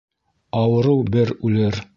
Ауырыу бер үлер